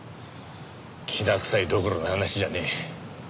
きな臭いどころの話じゃねえ。